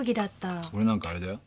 俺なんかあれだよ。